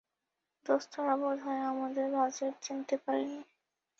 দোস্তরা বোধহয় আমাদের ব্যাজটা চিনতে পারেনি।